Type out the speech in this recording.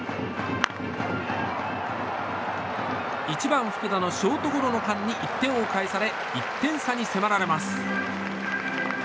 １番、福田のショートゴロの間に１点を返され１点差に迫られます。